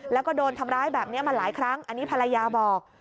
แล้วก็โดนทำร้ายแบบนี้มาหลายครั้งอันนี้ภรรยาบอก